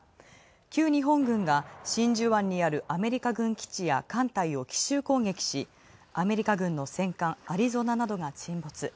旧日本軍が、真珠湾にあるアメリカ軍基地や艦隊を奇襲攻撃し、アメリカ軍の戦艦アリゾナなどが沈没。